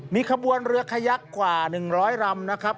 มีขบวนเรือขยักกว่า๑๐๐รำนะครับ